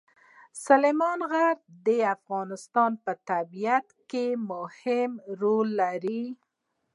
سلیمان غر د افغانستان په طبیعت کې مهم رول لري.